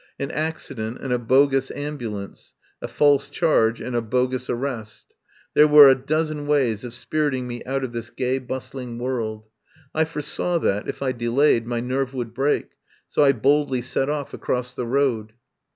An accident and a bogus ambu lance — a false charge and a bogus arrest — there were a dozen ways of spiriting me out of this gay, bustling world. I foresaw that, if I delayed, my nerve would break, so I boldly set off across the road.